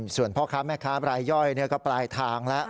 ส่วนพ่อค้าแม่ค้าบรายย่อยก็ปลายทางแล้ว